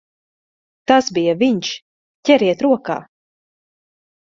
Tas bija viņš! Ķeriet rokā!